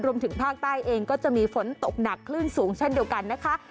รวมถึงภาคใต้เองก็จะมีฝนตกหนักคลื่นสูงเช่นเดียวกันนะคะ